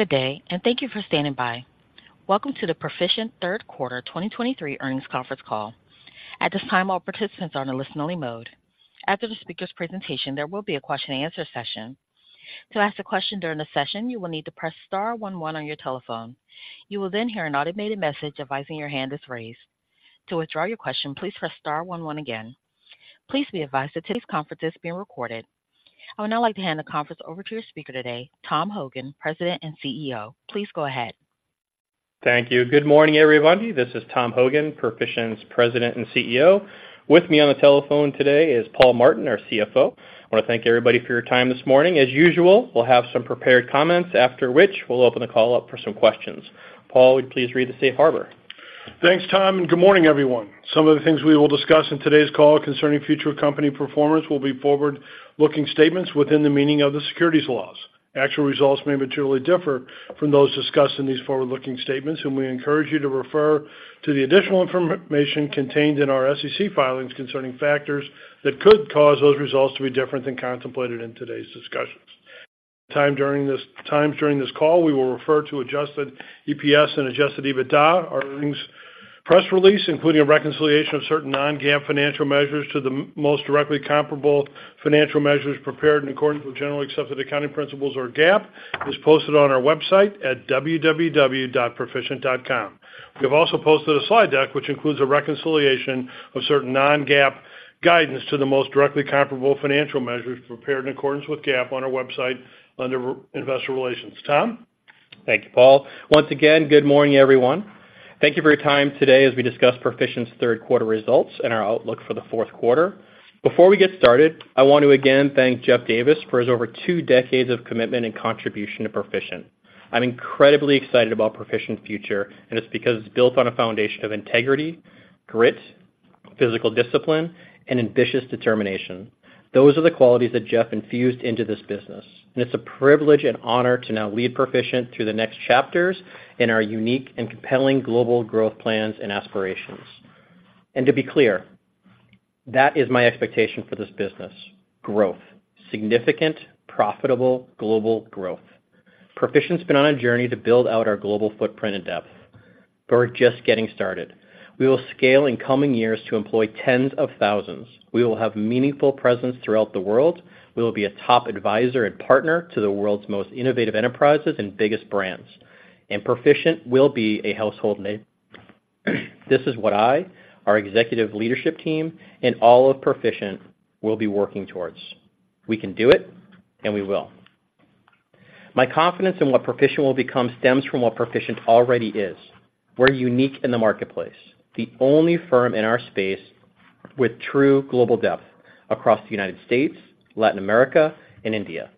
Good day, and thank you for standing by. Welcome to the Perficient Third Quarter 2023 Earnings Conference Call. At this time, all participants are in a listen-only mode. After the speaker's presentation, there will be a question-and-answer session. To ask a question during the session, you will need to press star one one on your telephone. You will then hear an automated message advising your hand is raised. To withdraw your question, please press star one one again. Please be advised that today's conference is being recorded. I would now like to hand the conference over to your speaker today, Tom Hogan, President and CEO. Please go ahead. Thank you. Good morning, everybody. This is Tom Hogan, Perficient's President and CEO. With me on the telephone today is Paul Martin, our CFO. I want to thank everybody for your time this morning. As usual, we'll have some prepared comments, after which we'll open the call up for some questions. Paul, would you please read the Safe Harbor? Thanks, Tom, and good morning, everyone. Some of the things we will discuss in today's call concerning future company performance will be forward-looking statements within the meaning of the securities laws. Actual results may materially differ from those discussed in these forward-looking statements, and we encourage you to refer to the additional information contained in our SEC filings concerning factors that could cause those results to be different than contemplated in today's discussions. Times during this call, we will refer to adjusted EPS and adjusted EBITDA. Our earnings press release, including a reconciliation of certain non-GAAP financial measures to the most directly comparable financial measures prepared in accordance with Generally Accepted Accounting Principles or GAAP, is posted on our website at www.perficient.com. We have also posted a slide deck, which includes a reconciliation of certain non-GAAP guidance to the most directly comparable financial measures prepared in accordance with GAAP on our website under our Investor Relations. Tom? Thank you, Paul. Once again, good morning, everyone. Thank you for your time today as we discuss Perficient's third quarter results and our outlook for the fourth quarter. Before we get started, I want to again thank Jeff Davis for his over two decades of commitment and contribution to Perficient. I'm incredibly excited about Perficient's future, and it's because it's built on a foundation of integrity, grit, physical discipline, and ambitious determination. Those are the qualities that Jeff infused into this business, and it's a privilege and honor to now lead Perficient through the next chapters in our unique and compelling global growth plans and aspirations. To be clear, that is my expectation for this business: growth. Significant, profitable, global growth. Perficient's been on a journey to build out our global footprint and depth, but we're just getting started. We will scale in coming years to employ tens of thousands. We will have meaningful presence throughout the world. We will be a top advisor and partner to the world's most innovative enterprises and biggest brands, and Perficient will be a household name. This is what I, our executive leadership team, and all of Perficient will be working towards. We can do it, and we will. My confidence in what Perficient will become stems from what Perficient already is. We're unique in the marketplace, the only firm in our space with true global depth across the United States, Latin America, and India.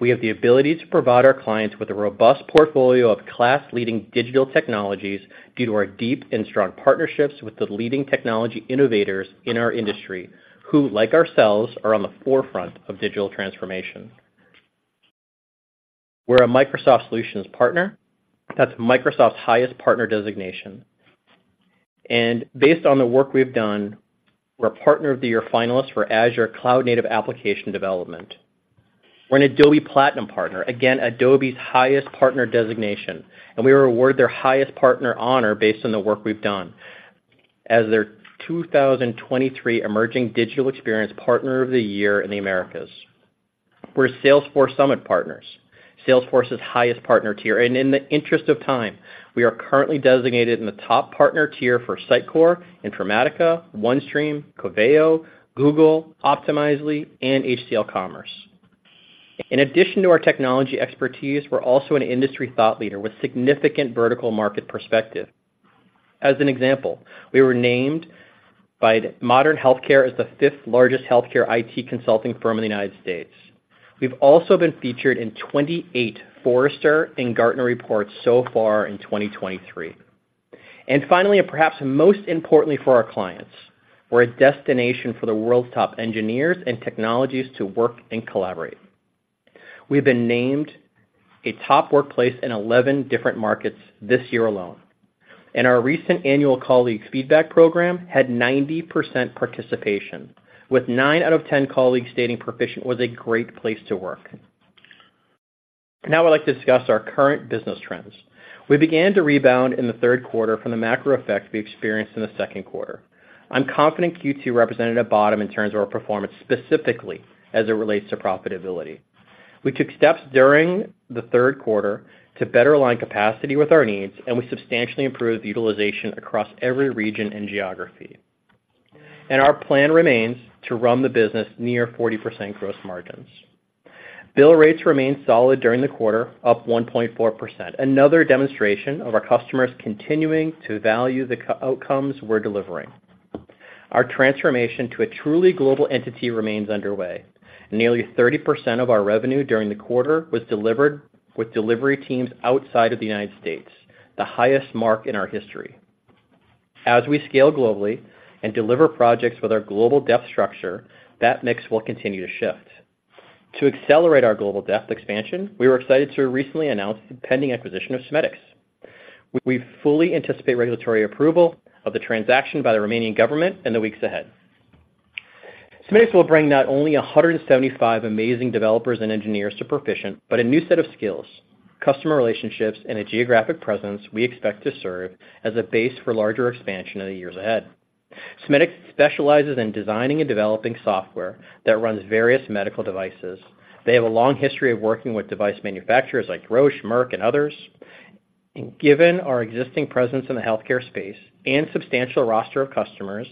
We have the ability to provide our clients with a robust portfolio of class-leading digital technologies due to our deep and strong partnerships with the leading technology innovators in our industry, who, like ourselves, are on the forefront of digital transformation. We're a Microsoft Solutions Partner. That's Microsoft's highest partner designation, and based on the work we've done, we're a Partner of the Year finalist for Azure Cloud Native Application Development. We're an Adobe Platinum partner, again, Adobe's highest partner designation, and we were awarded their highest partner honor based on the work we've done as their 2023 Emerging Digital Experience Partner of the Year in the Americas. We're Salesforce Summit partners, Salesforce's highest partner tier, and in the interest of time, we are currently designated in the top partner tier for Sitecore, Informatica, OneStream, Coveo, Google, Optimizely, and HCL Commerce. In addition to our technology expertise, we're also an industry thought leader with significant vertical market perspective. As an example, we were named by Modern Healthcare as the fifth-largest healthcare IT consulting firm in the United States. We've also been featured in 28 Forrester and Gartner reports so far in 2023. Finally, and perhaps most importantly for our clients, we're a destination for the world's top engineers and technologies to work and collaborate. We've been named a top workplace in 11 different markets this year alone, and our recent annual colleague feedback program had 90% participation, with 9 out of 10 colleagues stating Perficient was a great place to work. Now, I'd like to discuss our current business trends. We began to rebound in the third quarter from the macro effects we experienced in the second quarter. I'm confident Q2 represented a bottom in terms of our performance, specifically as it relates to profitability. We took steps during the third quarter to better align capacity with our needs, and we substantially improved the utilization across every region and geography. Our plan remains to run the business near 40% gross margins. Bill rates remained solid during the quarter, up 1.4%, another demonstration of our customers continuing to value the key outcomes we're delivering. Our transformation to a truly global entity remains underway. Nearly 30% of our revenue during the quarter was delivered with delivery teams outside of the United States, the highest mark in our history. As we scale globally and deliver projects with our global delivery structure, that mix will continue to shift. To accelerate our global delivery expansion, we were excited to recently announce the pending acquisition of SMEDIX. We fully anticipate regulatory approval of the transaction by the Romanian government in the weeks ahead. SMEDIX will bring not only 175 amazing developers and engineers to Perficient, but a new set of skills, customer relationships, and a geographic presence we expect to serve as a base for larger expansion in the years ahead. SMEDIX specializes in designing and developing software that runs various medical devices. They have a long history of working with device manufacturers like Roche, Merck, and others. Given our existing presence in the healthcare space and substantial roster of customers,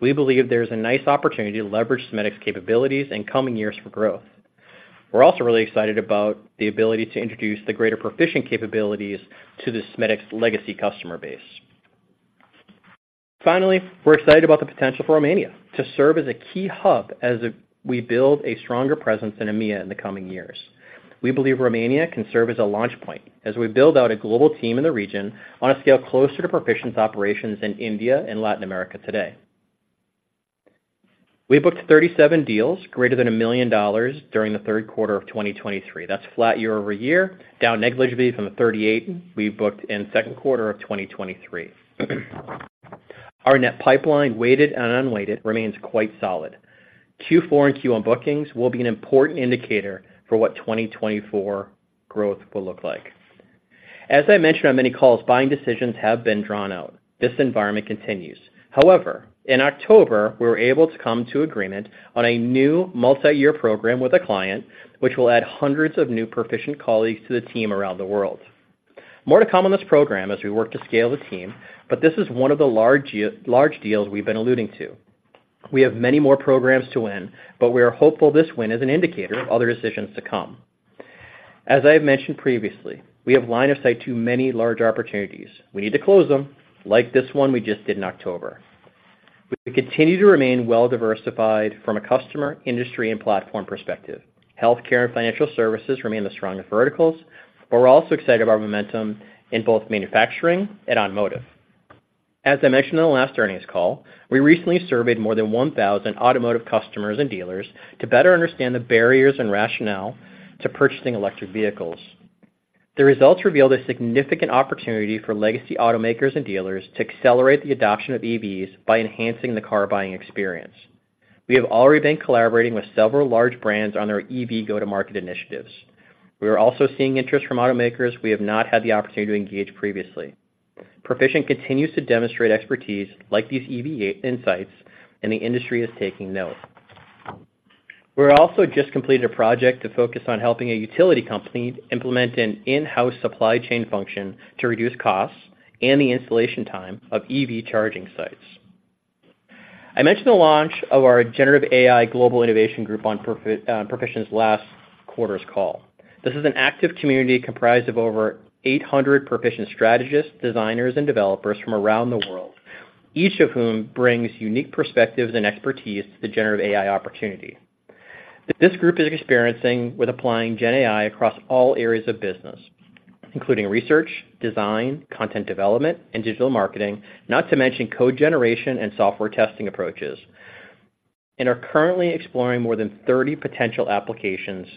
we believe there's a nice opportunity to leverage SMEDIX capabilities in coming years for growth. We're also really excited about the ability to introduce the greater Perficient capabilities to the SMEDIX legacy customer base. Finally, we're excited about the potential for Romania to serve as a key hub as we build a stronger presence in EMEA in the coming years. We believe Romania can serve as a launch point as we build out a global team in the region on a scale closer to Perficient's operations in India and Latin America today. We booked 37 deals greater than $1 million during the third quarter of 2023. That's flat year-over-year, down negligibly from the 38 we booked in the second quarter of 2023. Our net pipeline, weighted and unweighted, remains quite solid. Q4 and Q1 bookings will be an important indicator for what 2024 growth will look like. As I mentioned on many calls, buying decisions have been drawn out. This environment continues. However, in October, we were able to come to agreement on a new multi-year program with a client, which will add hundreds of new Perficient colleagues to the team around the world. More to come on this program as we work to scale the team, but this is one of the large deals we've been alluding to. We have many more programs to win, but we are hopeful this win is an indicator of other decisions to come. As I have mentioned previously, we have line of sight to many large opportunities. We need to close them, like this one we just did in October. We continue to remain well-diversified from a customer, industry, and platform perspective. Healthcare and financial services remain the strongest verticals, but we're also excited about momentum in both manufacturing and automotive. As I mentioned on the last earnings call, we recently surveyed more than 1,000 automotive customers and dealers to better understand the barriers and rationale to purchasing electric vehicles. The results revealed a significant opportunity for legacy automakers and dealers to accelerate the adoption of EVs by enhancing the car-buying experience. We have already been collaborating with several large brands on their EV go-to-market initiatives. We are also seeing interest from automakers we have not had the opportunity to engage previously. Perficient continues to demonstrate expertise like these EV insights, and the industry is taking note. We're also just completed a project to focus on helping a utility company implement an in-house supply chain function to reduce costs and the installation time of EV charging sites. I mentioned the launch of our generative AI global innovation group on Perficient's last quarter's call. This is an active community comprised of over 800 Perficient strategists, designers, and developers from around the world, each of whom brings unique perspectives and expertise to the generative AI opportunity. This group is experiencing with applying gen AI across all areas of business, including research, design, content development, and digital marketing, not to mention code generation and software testing approaches, and are currently exploring more than 30 potential applications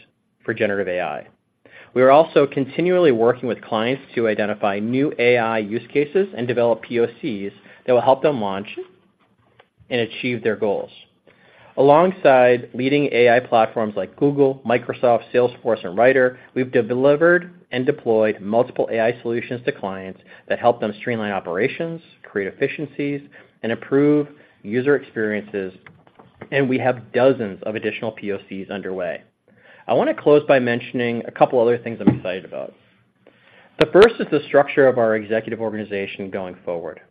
for generative AI. We are also continually working with clients to identify new AI use cases and develop POCs that will help them launch and achieve their goals. Alongside leading AI platforms like Google, Microsoft, Salesforce, and Writer, we've delivered and deployed multiple AI solutions to clients that help them streamline operations, create efficiencies, and improve user experiences, and we have dozens of additional POCs underway. I want to close by mentioning a couple other things I'm excited about. The first is the structure of our executive organization going forward.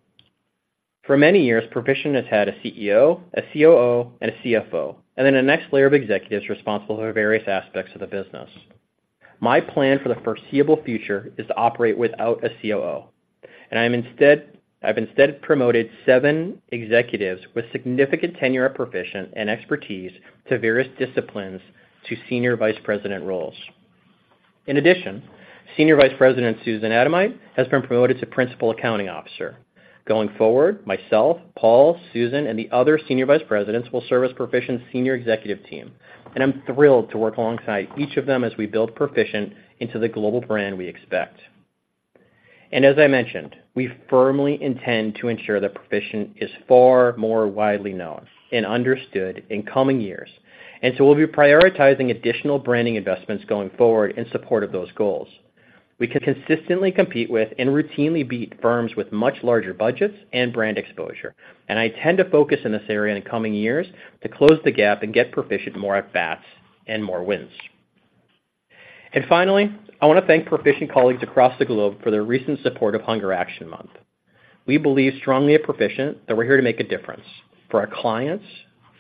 For many years, Perficient has had a CEO, a COO, and a CFO, and then the next layer of executives responsible for various aspects of the business. My plan for the foreseeable future is to operate without a COO, and I've instead promoted seven executives with significant tenure at Perficient and expertise to various disciplines to senior vice president roles. In addition, Senior Vice President Susan Adomite has been promoted to Principal Accounting Officer. Going forward, myself, Paul, Susan, and the other senior vice presidents will serve as Perficient's senior executive team, and I'm thrilled to work alongside each of them as we build Perficient into the global brand we expect. As I mentioned, we firmly intend to ensure that Perficient is far more widely known and understood in coming years, and so we'll be prioritizing additional branding investments going forward in support of those goals. We can consistently compete with and routinely beat firms with much larger budgets and brand exposure, and I intend to focus in this area in the coming years to close the gap and get Perficient more at bats and more wins. Finally, I want to thank Perficient colleagues across the globe for their recent support of Hunger Action Month. We believe strongly at Perficient that we're here to make a difference for our clients,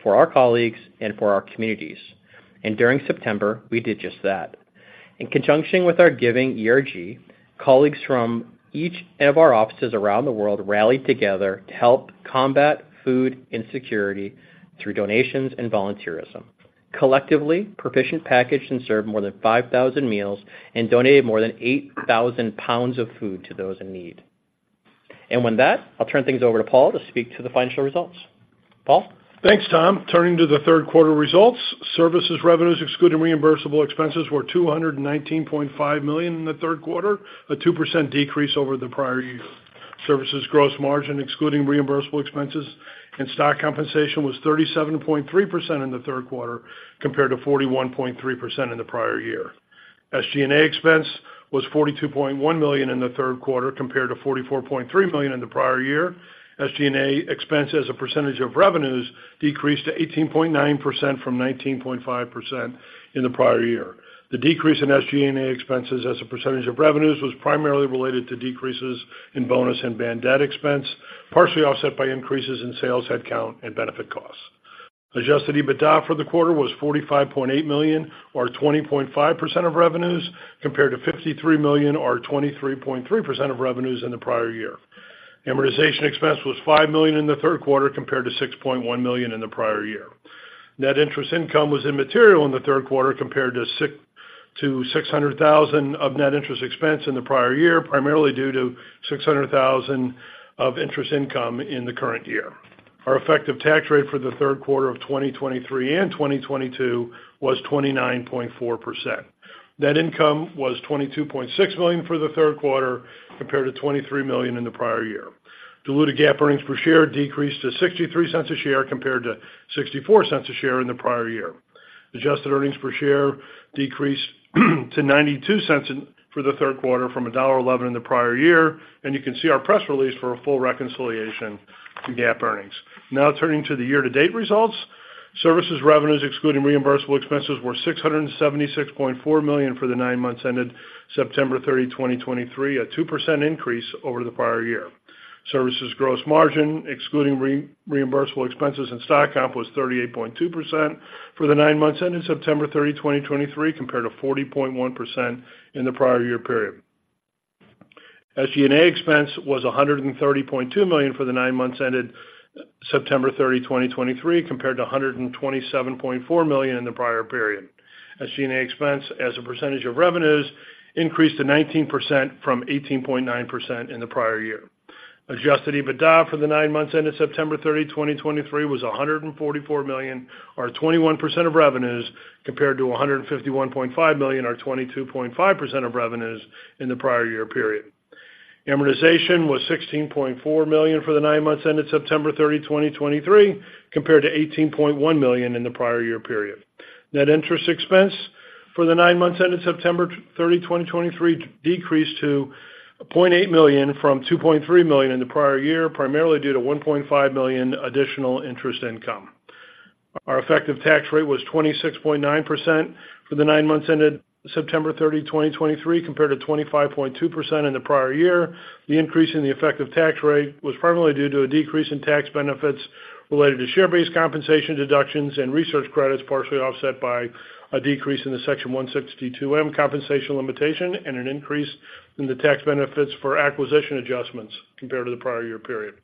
for our colleagues, and for our communities. During September, we did just that. In conjunction with our Giving ERG, colleagues from each of our offices around the world rallied together to help combat food insecurity through donations and volunteerism. Collectively, Perficient packaged and served more than 5,000 meals and donated more than 8,000 lbs of food to those in need. With that, I'll turn things over to Paul to speak to the financial results. Paul? Thanks, Tom. Turning to the third quarter results, services revenues excluding reimbursable expenses, were $219.5 million in the third quarter, a 2% decrease over the prior year. Services gross margin, excluding reimbursable expenses and stock compensation, was 37.3% in the third quarter compared to 41.3% in the prior year. SG&A expense was $42.1 million in the third quarter compared to $44.3 million in the prior year. SG&A expense as a percentage of revenues decreased to 18.9% from 19.5% in the prior year. The decrease in SG&A expenses as a percentage of revenues was primarily related to decreases in bonus and bad debt expense, partially offset by increases in sales headcount and benefit costs. Adjusted EBITDA for the quarter was $45.8 million, or 20.5% of revenues, compared to $53 million, or 23.3% of revenues in the prior year. Amortization expense was $5 million in the third quarter compared to $6.1 million in the prior year. Net interest income was immaterial in the third quarter compared to $600,000 of net interest expense in the prior year, primarily due to $600,000 of interest income in the current year. Our effective tax rate for the third quarter of 2023 and 2022 was 29.4%. Net income was $22.6 million for the third quarter compared to $23 million in the prior year. Diluted GAAP earnings per share decreased to $0.63 a share compared to $0.64 a share in the prior year. Adjusted earnings per share decreased to $0.92 for the third quarter from $1.11 in the prior year, and you can see our press release for a full reconciliation to GAAP earnings. Now turning to the year-to-date results. Services revenues, excluding reimbursable expenses, were $676.4 million for the nine months ended 09/30/2023, a 2% increase over the prior year. Services gross margin, excluding reimbursable expenses and stock comp, was 38.2% for the nine months ended 09/30/2023, compared to 40.1% in the prior year period. SG&A expense was $130.2 million for the nine months end 09/30/2023, compared to $127.4 million in the prior period. SG&A expense, as a percentage of revenues, increased to 19% from 18.9% in the prior year. Adjusted EBITDA for the nine months ended 09/30/2023, was $144 million, or 21% of revenues, compared to $151.5 million or 22.5% of revenues in the prior year period. Amortization was $16.4 million for the nine months ended 09/30/2023, compared to $18.1 million in the prior year period. Net interest expense for the nine months ended 09/30/2023, decreased to $0.8 million from $2.3 million in the prior year, primarily due to $1.5 million additional interest income. Our effective tax rate was 26.9% for the nine months ended 09/30/2023, compared to 25.2% in the prior year. The increase in the effective tax rate was primarily due to a decrease in tax benefits related to share-based compensation deductions and research credits, partially offset by a decrease in the Section 162(m) compensation limitation and an increase in the tax benefits for acquisition adjustments compared to the prior year period.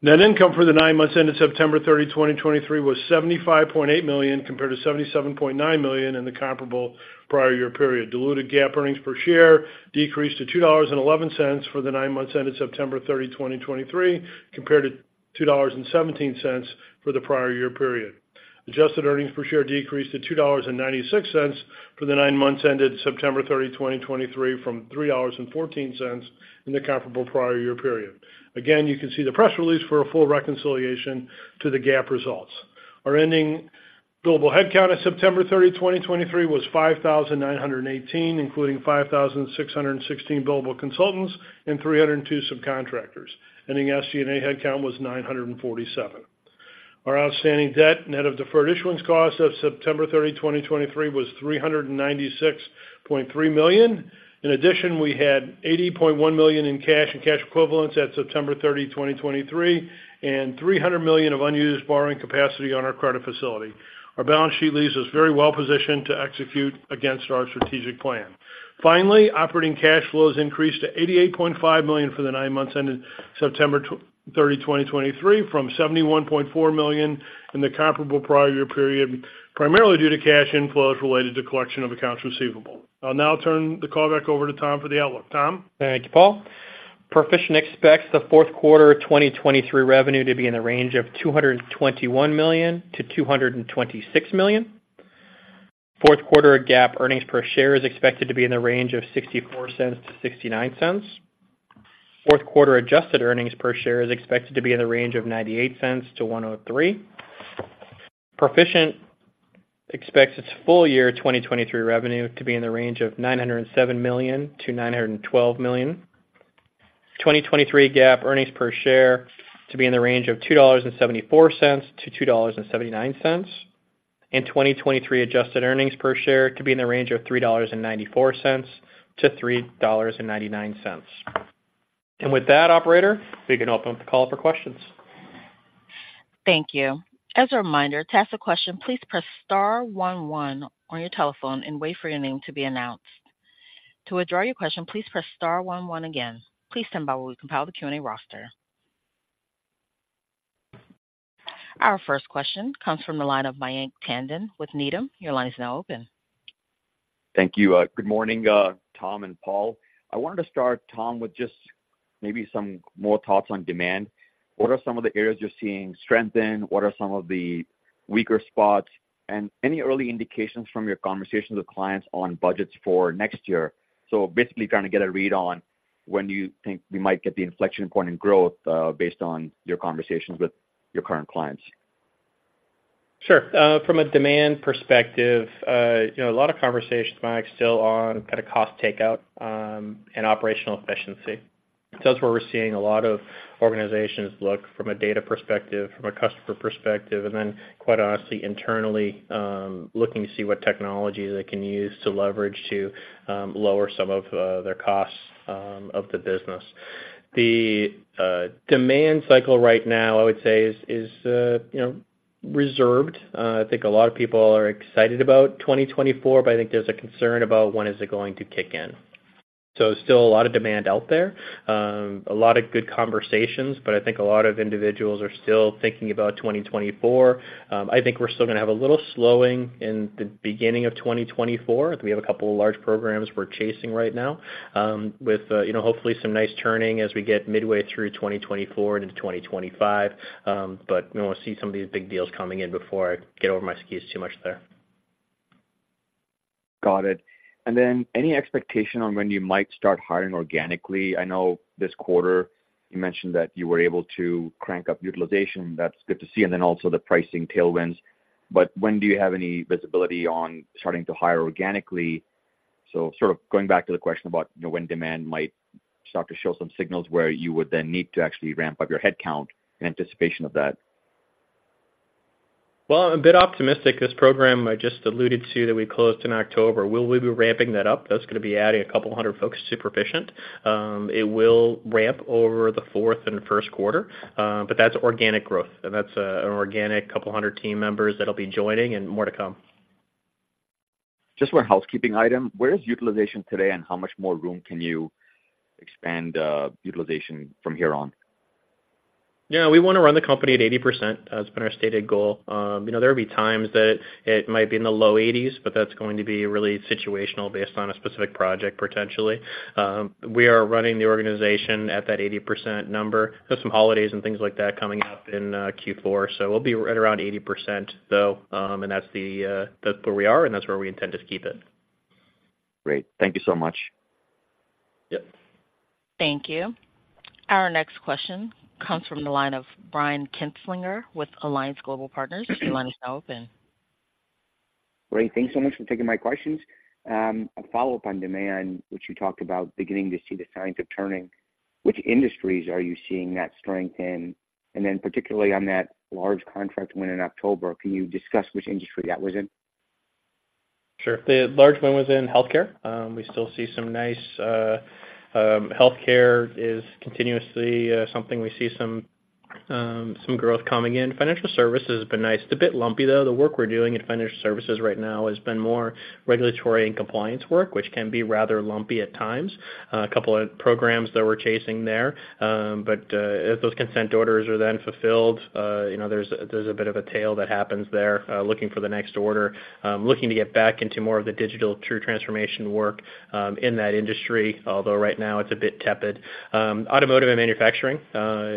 Net income for the nine months ended 09/30/2023, was $75.8 million, compared to $77.9 million in the comparable prior year period. Diluted GAAP earnings per share decreased to $2.11 for the nine months ended 09/30/2023, compared to $2.17 for the prior year period. Adjusted earnings per share decreased to $2.96 for the nine months ended 09/30/2023, from $3.14 in the comparable prior year period. Again, you can see the press release for a full reconciliation to the GAAP results. Our ending billable headcount of 09/30/2023, was 5,918, including 5,616 billable consultants and 302 subcontractors. Ending SG&A headcount was 947. Our outstanding debt, net of deferred issuance costs of 09/30/2023, was $396.3 million. In addition, we had $80.1 million in cash and cash equivalents at 09/30/2023, and $300 million of unused borrowing capacity on our credit facility. Our balance sheet leaves us very well positioned to execute against our strategic plan. Finally, operating cash flows increased to $88.5 million for the nine months ended 09/30/2023, from $71.4 million in the comparable prior year period, primarily due to cash inflows related to collection of accounts receivable. I'll now turn the call back over to Tom for the outlook. Tom? Thank you, Paul. Perficient expects the fourth quarter of 2023 revenue to be in the range of $221 million-$226 million. Fourth quarter GAAP earnings per share is expected to be in the range of $0.64-$0.69. Fourth quarter adjusted earnings per share is expected to be in the range of $0.98-$1.03. Perficient expects its full year 2023 revenue to be in the range of $907 million-$912 million. 2023 GAAP earnings per share to be in the range of $2.74-$2.79, and 2023 adjusted earnings per share to be in the range of $3.94-$3.99. With that, operator, we can open up the call for questions. Thank you. As a reminder, to ask a question, please press star one one on your telephone and wait for your name to be announced. To withdraw your question, please press star one one again. Please stand by while we compile the Q&A roster. Our first question comes from the line of Mayank Tandon with Needham. Your line is now open. Thank you. Good morning, Tom and Paul. I wanted to start, Tom, with just maybe some more thoughts on demand. What are some of the areas you're seeing strength in? What are some of the-weaker spots, and any early indications from your conversations with clients on budgets for next year? So basically trying to get a read on when you think we might get the inflection point in growth, based on your conversations with your current clients. Sure. From a demand perspective, you know, a lot of conversations, Mike, still on kind of cost takeout, and operational efficiency. So that's where we're seeing a lot of organizations look from a data perspective, from a customer perspective, and then, quite honestly, internally, looking to see what technology they can use to leverage to, lower some of, their costs, of the business. The demand cycle right now, I would say is, you know, reserved. I think a lot of people are excited about 2024, but I think there's a concern about when is it going to kick in. So still a lot of demand out there, a lot of good conversations, but I think a lot of individuals are still thinking about 2024. I think we're still gonna have a little slowing in the beginning of 2024. We have a couple of large programs we're chasing right now, with, you know, hopefully some nice turning as we get midway through 2024 and into 2025. But, you know, we'll see some of these big deals coming in before I get over my skis too much there. Got it. And then, any expectation on when you might start hiring organically? I know this quarter you mentioned that you were able to crank up utilization. That's good to see, and then also the pricing tailwinds. But when do you have any visibility on starting to hire organically? So sort of going back to the question about, you know, when demand might start to show some signals, where you would then need to actually ramp up your headcount in anticipation of that. Well, I'm a bit optimistic. This program I just alluded to that we closed in October, we'll be ramping that up. That's gonna be adding a couple hundred folks to Perficient. It will ramp over the fourth and first quarter, but that's organic growth, and that's an organic couple hundred team members that'll be joining and more to come. Just for a housekeeping item, where is utilization today, and how much more room can you expand, utilization from here on? Yeah, we wanna run the company at 80%. That's been our stated goal. You know, there will be times that it might be in the low 80s, but that's going to be really situational based on a specific project, potentially. We are running the organization at that 80% number. There's some holidays and things like that coming up in Q4, so we'll be right around 80%, though, and that's the, that's where we are, and that's where we intend to keep it. Great. Thank you so much. Yep. Thank you. Our next question comes from the line of Brian Kinstlinger with Alliance Global Partners. Your line is now open. Great. Thanks so much for taking my questions. A follow-up on demand, which you talked about beginning to see the signs of turning. Which industries are you seeing that strength in? And then particularly on that large contract win in October, can you discuss which industry that was in? Sure. The large win was in healthcare. We still see some nice. Healthcare is continuously, something we see some, some growth coming in. Financial services has been nice. It's a bit lumpy, though. The work we're doing in financial services right now has been more regulatory and compliance work, which can be rather lumpy at times. A couple of programs that we're chasing there. But, as those consent orders are then fulfilled, you know, there's, there's a bit of a tail that happens there, looking for the next order. Looking to get back into more of the digital true transformation work, in that industry, although right now it's a bit tepid. Automotive and manufacturing,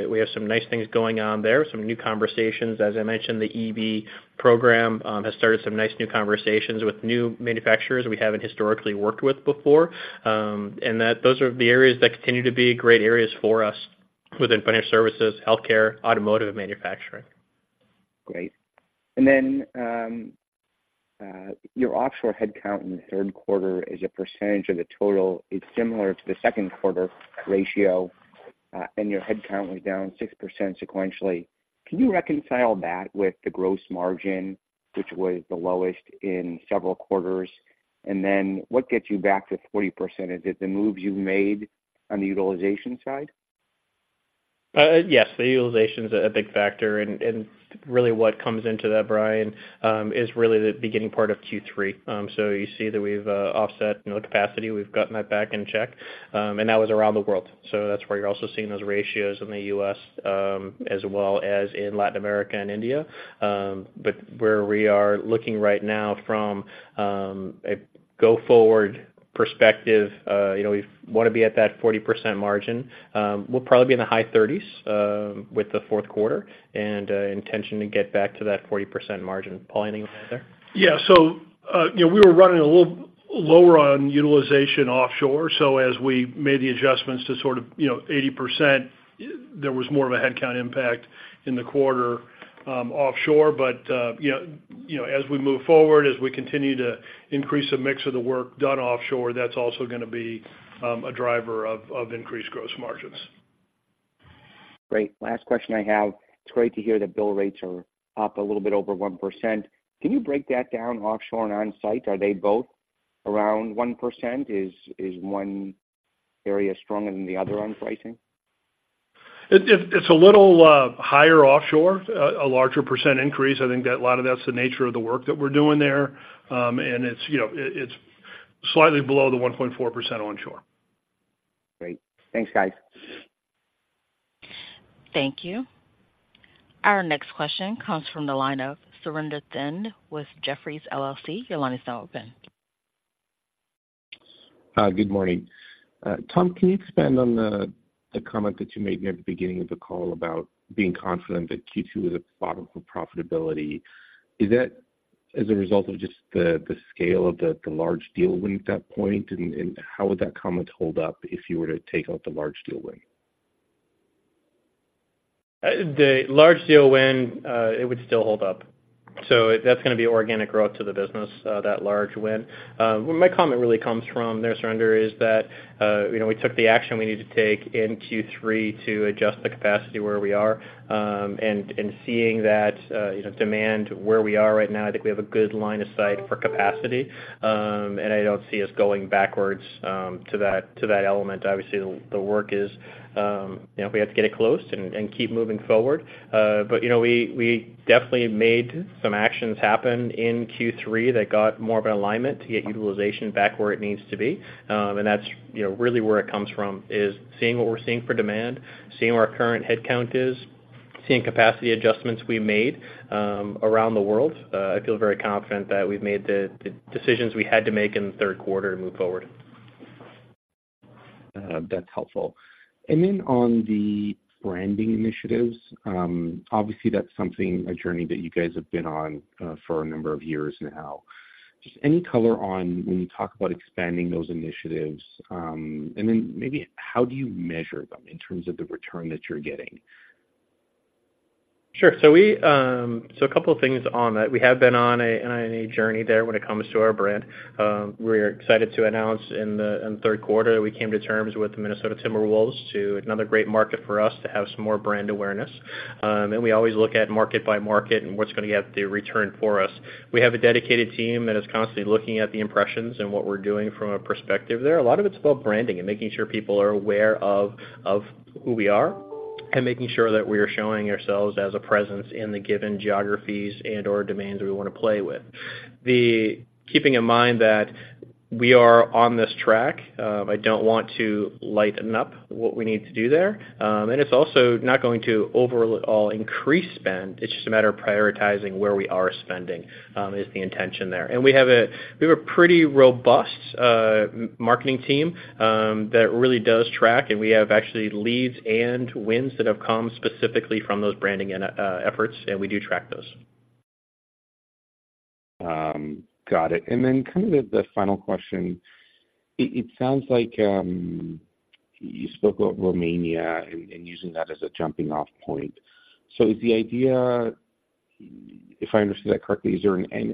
we have some nice things going on there, some new conversations. As I mentioned, the EV program has started some nice new conversations with new manufacturers we haven't historically worked with before. And that, those are the areas that continue to be great areas for us within financial services, healthcare, automotive, and manufacturing. Great. And then, your offshore headcount in the third quarter as a percentage of the total is similar to the second quarter ratio, and your headcount was down 6% sequentially. Can you reconcile that with the gross margin, which was the lowest in several quarters? And then what gets you back to 40%? Is it the moves you made on the utilization side? Yes, the utilization is a big factor, and really what comes into that, Brian, is really the beginning part of Q3. So you see that we've offset, you know, capacity. We've gotten that back in check, and that was around the world. So that's where you're also seeing those ratios in the U.S., as well as in Latin America and India. But where we are looking right now from a go-forward perspective, you know, we want to be at that 40% margin. We'll probably be in the high 30s with the fourth quarter and intention to get back to that 40% margin. Paul, anything to add there? Yeah. So, you know, we were running a little lower on utilization offshore, so as we made the adjustments to sort of, you know, 80%, there was more of a headcount impact in the quarter, offshore. But, you know, you know, as we move forward, as we continue to increase the mix of the work done offshore, that's also gonna be, a driver of, of increased gross margins. Great. Last question I have: It's great to hear that bill rates are up a little bit over 1%. Can you break that down offshore and onsite? Are they both around 1%? Is one area stronger than the other on pricing? It's a little higher offshore, a larger percent increase. I think that a lot of that's the nature of the work that we're doing there. And it's, you know, it's slightly below the 1.4% onshore. Great. Thanks, guys. Thank you. Our next question comes from the line of Surinder Thind with Jefferies LLC. Your line is now open. Good morning. Tom, can you expand on the comment that you made near the beginning of the call about being confident that Q2 is a bottom for profitability? Is that as a result of just the scale of the large deal win at that point? And how would that comment hold up if you were to take out the large deal win? The large deal win, it would still hold up. So that's gonna be organic growth to the business, that large win. My comment really comes from there, Surinder, is that, you know, we took the action we needed to take in Q3 to adjust the capacity where we are. And, and seeing that, you know, demand where we are right now, I think we have a good line of sight for capacity. And I don't see us going backwards, to that, to that element. Obviously, the, the work is, you know, we have to get it closed and, and keep moving forward. But, you know, we, we definitely made some actions happen in Q3 that got more of an alignment to get utilization back where it needs to be. That's, you know, really where it comes from, is seeing what we're seeing for demand, seeing where our current headcount is, seeing capacity adjustments we made around the world. I feel very confident that we've made the decisions we had to make in the third quarter to move forward. That's helpful. And then on the branding initiatives, obviously, that's something, a journey that you guys have been on, for a number of years now. Just any color on when you talk about expanding those initiatives, and then maybe how do you measure them in terms of the return that you're getting? Sure. So a couple of things on that. We have been on a journey there when it comes to our brand. We're excited to announce in the third quarter that we came to terms with the Minnesota Timberwolves to another great market for us to have some more brand awareness. And we always look at market by market and what's gonna get the return for us. We have a dedicated team that is constantly looking at the impressions and what we're doing from a perspective there. A lot of it's about branding and making sure people are aware of who we are, and making sure that we are showing ourselves as a presence in the given geographies and/or domains we wanna play with. Keeping in mind that we are on this track, I don't want to lighten up what we need to do there. And it's also not going to overall increase spend. It's just a matter of prioritizing where we are spending is the intention there. And we have a pretty robust marketing team that really does track, and we have actually leads and wins that have come specifically from those branding and efforts, and we do track those. Got it. And then kind of the final question. It sounds like you spoke about Romania and using that as a jumping-off point. So is the idea, if I understood that correctly, is there a bigger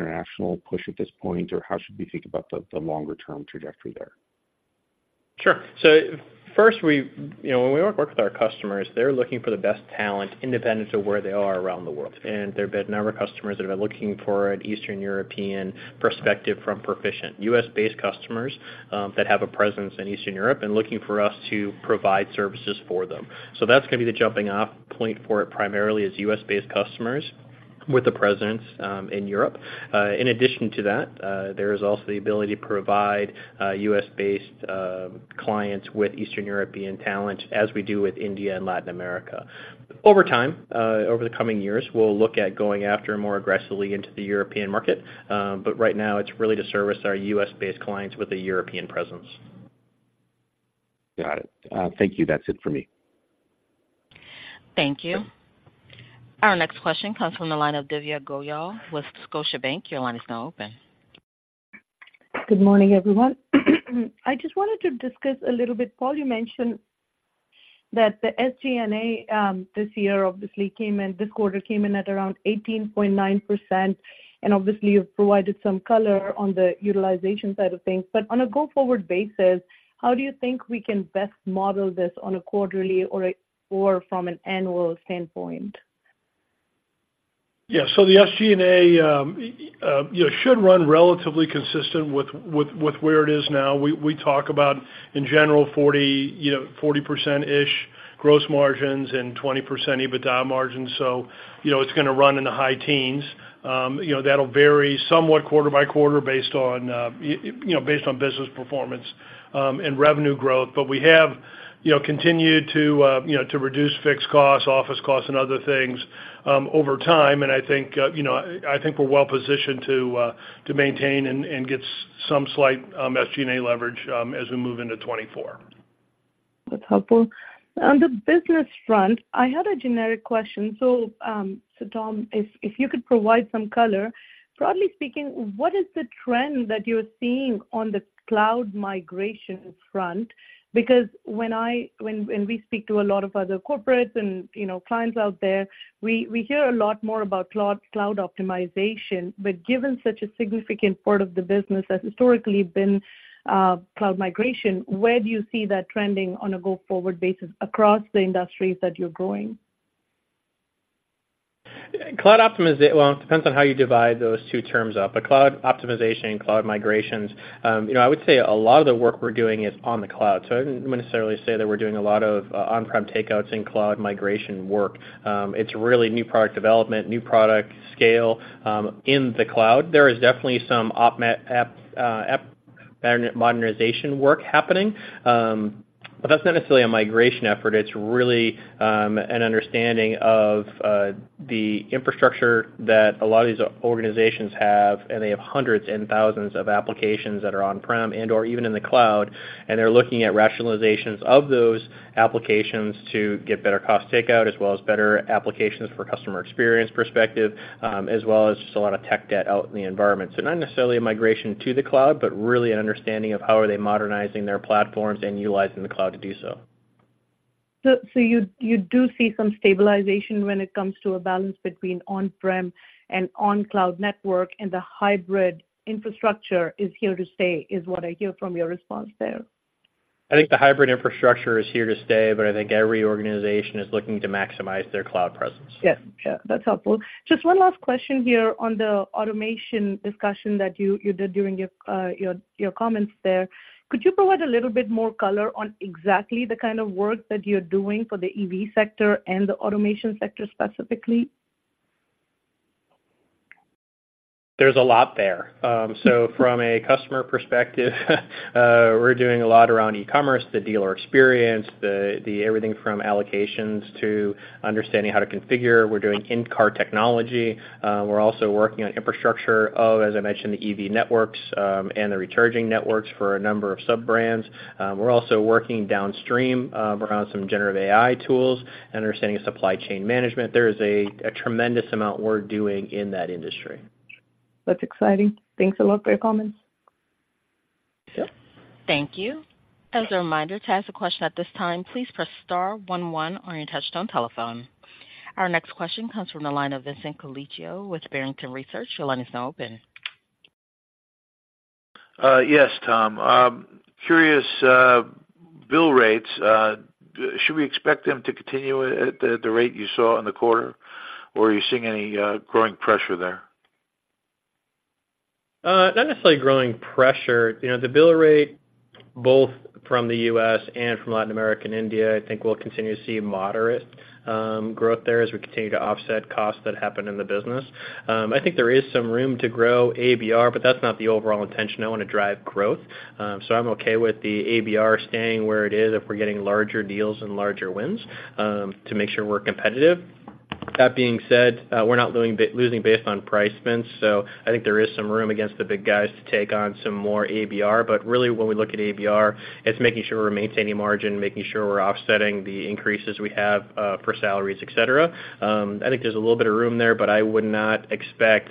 international push at this point, or how should we think about the longer-term trajectory there? Sure. So first, we, you know, when we work with our customers, they're looking for the best talent, independent of where they are around the world. And there have been a number of customers that have been looking for an Eastern European perspective from Perficient, U.S.-based customers that have a presence in Eastern Europe and looking for us to provide services for them. So that's gonna be the jumping-off point for it, primarily is U.S.-based customers with a presence in Europe. In addition to that, there is also the ability to provide U.S.-based clients with Eastern European talent, as we do with India and Latin America. Over time, over the coming years, we'll look at going after more aggressively into the European market. But right now, it's really to service our U.S.-based clients with a European presence. Got it. Thank you. That's it for me. Thank you. Our next question comes from the line of Divya Goyal with Scotiabank. Your line is now open. Good morning, everyone. I just wanted to discuss a little bit, Paul. You mentioned that the SG&A this year obviously came in, this quarter came in at around 18.9%, and obviously you've provided some color on the utilization side of things. But on a go-forward basis, how do you think we can best model this on a quarterly or a, or from an annual standpoint? Yeah, so the SG&A should run relatively consistent with where it is now. We talk about, in general, 40%-ish gross margins and 20% EBITDA margins, so it's gonna run in the high teens. That'll vary somewhat quarter by quarter based on you know, based on business performance and revenue growth. But we have continued to reduce fixed costs, office costs, and other things over time, and I think we're well positioned to maintain and get some slight SG&A leverage as we move into 2024. That's helpful. On the business front, I had a generic question. So, Tom, if you could provide some color. Broadly speaking, what is the trend that you're seeing on the cloud migration front? Because when we speak to a lot of other corporates and, you know, clients out there, we hear a lot more about cloud optimization. But given such a significant part of the business has historically been cloud migration, where do you see that trending on a go-forward basis across the industries that you're growing? Well, it depends on how you divide those two terms up, but cloud optimization and cloud migrations, you know, I would say a lot of the work we're doing is on the cloud. So I wouldn't necessarily say that we're doing a lot of, on-prem takeouts and cloud migration work. It's really new product development, new product scale, in the cloud. There is definitely some app modernization work happening. Well, that's not necessarily a migration effort. It's really, an understanding of, the infrastructure that a lot of these organizations have, and they have hundreds and thousands of applications that are on-prem and/or even in the cloud, and they're looking at rationalizations of those applications to get better cost takeout, as well as better applications for customer experience perspective, as well as just a lot of tech debt out in the environment. So not necessarily a migration to the cloud, but really an understanding of how are they modernizing their platforms and utilizing the cloud to do so. So, you do see some stabilization when it comes to a balance between on-prem and on-cloud network, and the hybrid infrastructure is here to stay, is what I hear from your response there? I think the hybrid infrastructure is here to stay, but I think every organization is looking to maximize their cloud presence. Yes. Yeah, that's helpful. Just one last question here on the automation discussion that you did during your comments there. Could you provide a little bit more color on exactly the kind of work that you're doing for the EV sector and the automation sector, specifically? There's a lot there. So from a customer perspective, we're doing a lot around e-commerce, the dealer experience, everything from allocations to understanding how to configure. We're doing in-car technology. We're also working on infrastructure of, as I mentioned, the EV networks, and the recharging networks for a number of sub-brands. We're also working downstream, around some Generative AI tools and understanding supply chain management. There is a tremendous amount we're doing in that industry. That's exciting. Thanks a lot for your comments. Sure. Thank you. As a reminder, to ask a question at this time, please press star one one on your touchtone telephone. Our next question comes from the line of Vincent Colicchio with Barrington Research. Your line is now open. Yes, Tom. Curious, bill rates, should we expect them to continue at the rate you saw in the quarter, or are you seeing any growing pressure there? Not necessarily growing pressure. You know, the bill rate, both from the U.S. and from Latin America and India, I think we'll continue to see moderate growth there as we continue to offset costs that happen in the business. I think there is some room to grow ABR, but that's not the overall intention. I want to drive growth. I'm okay with the ABR staying where it is if we're getting larger deals and larger wins to make sure we're competitive. That being said, we're not losing based on pricing, so I think there is some room against the big guys to take on some more ABR. Really, when we look at ABR, it's making sure we're maintaining margin, making sure we're offsetting the increases we have for salaries, et cetera. I think there's a little bit of room there, but I would not expect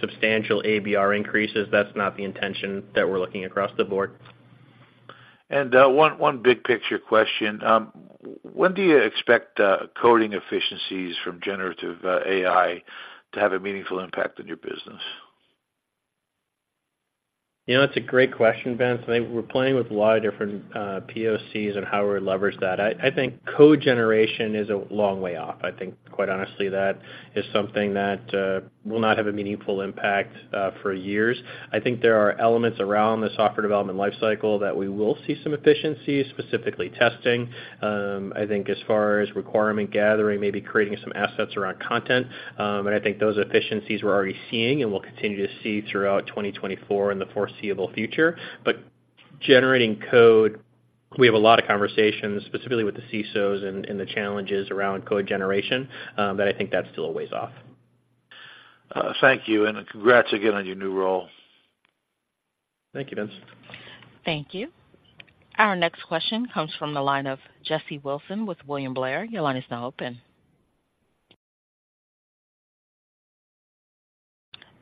substantial ABR increases. That's not the intention that we're looking across the board. And one big picture question. When do you expect coding efficiencies from generative AI to have a meaningful impact on your business? You know, that's a great question, Vince. I think we're playing with a lot of different, POCs and how we leverage that. I, I think code generation is a long way off. I think, quite honestly, that is something that, will not have a meaningful impact, for years. I think there are elements around the software development life cycle that we will see some efficiencies, specifically testing. I think as far as requirement gathering, maybe creating some assets around content, and I think those efficiencies we're already seeing and will continue to see throughout 2024 in the foreseeable future. But generating code, we have a lot of conversations, specifically with the CISOs and, and the challenges around code generation, but I think that's still a ways off. Thank you, and congrats again on your new role. Thank you, Vince. Thank you. Our next question comes from the line of Jesse Wilson with William Blair. Your line is now open.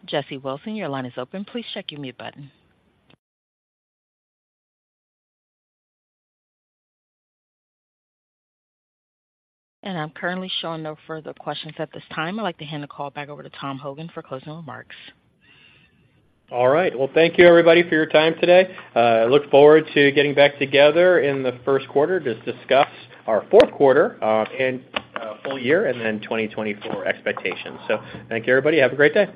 Jesse Wilson, your line is open. Please check your mute button. I'm currently showing no further questions at this time. I'd like to hand the call back over to Tom Hogan for closing remarks. All right. Well, thank you, everybody, for your time today. I look forward to getting back together in the first quarter to discuss our fourth quarter, and full year, and then 2024 expectations. So thank you, everybody. Have a great day.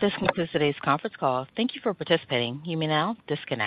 This concludes today's conference call. Thank you for participating. You may now disconnect.